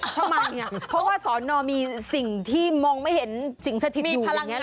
ทำไมเพราะว่าสอนอมีสิ่งที่มองไม่เห็นสิ่งสถิตอยู่อย่างนี้หรอ